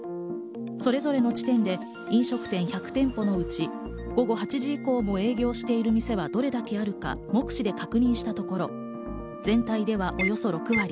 それぞれの地点で飲食店１００店舗のうち、午後８時以降も営業している店はどれだけあるか目視で確認したところ、全体ではおよそ６割。